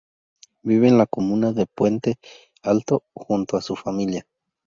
Vive en la comuna de Puente Alto, junto a su familia.